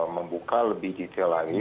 membuka lebih detail lagi